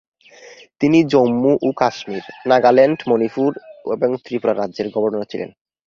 তিনি জম্মু ও কাশ্মীর, নাগাল্যান্ড, মণিপুর এবং ত্রিপুরা রাজ্যের গভর্নর ছিলেন।